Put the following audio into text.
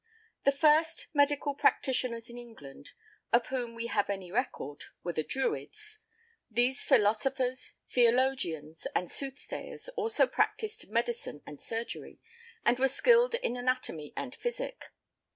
The first medical practitioners in England, of whom we have any record, were the Druids: these philosophers, theologians and soothsayers, also practised medicine and surgery, and were skilled in anatomy and physic.